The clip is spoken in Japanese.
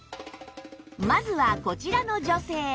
まずはこちらの女性